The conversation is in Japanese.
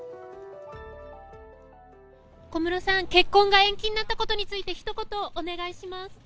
小室さん、結婚が延期になったことについて、ひと言お願いします。